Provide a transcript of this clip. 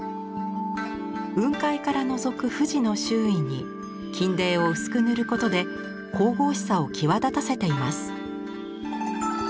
雲海からのぞく富士の周囲に金泥を薄く塗ることで神々しさを際立たせています。